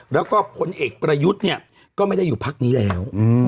แล้วก็ผลเอกประยุทธ์เนี่ยก็ไม่ได้อยู่พักนี้แล้ว